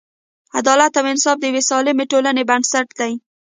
عدالت او انصاف د یوې سالمې ټولنې بنسټ دی.